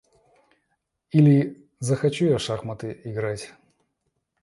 Или захочу я в шахматы играть.